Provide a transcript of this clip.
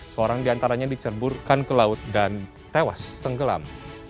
seorang diantaranya dicerburkan ke laut dan tewas tenggelam